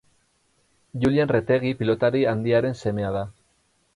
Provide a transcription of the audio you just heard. Julian Retegi pilotari handiaren semea da.